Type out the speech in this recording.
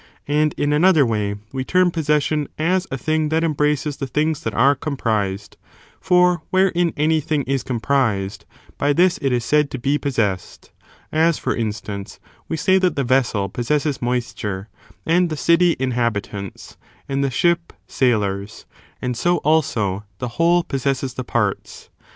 And in another way we term possession as a thing that embraces the things that are comprised; for wherein anything is com prised, by this it is said to be possessed : as, for instance, we say that the vessel possesses moisture, and the city inhabit ants, and the ship sailors; and so, also, the whole possesses the parts.